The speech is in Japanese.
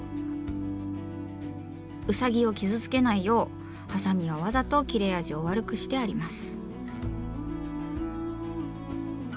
ウサギを傷つけないようハサミはわざと切れ味を悪くしてあります。